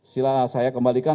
silahkan saya kembalikan